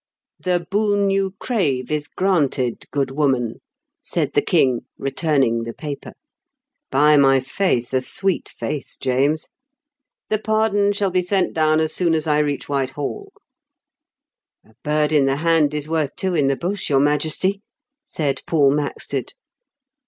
"The boon you crave is granted, good woman," said the King, returning the paper. " By my faith, a sweet face, James ! The pardon shall be sent down as soon as I reach WhitehaU." " A bird in the hand is worth two in the bush, your Majesty," said Paul Maxted.